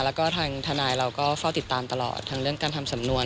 แล้วก็ทางทนายเราก็เฝ้าติดตามตลอดทั้งเรื่องการทำสำนวน